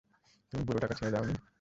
তুমি বুড়োটাকে ছেড়ে দাওনি?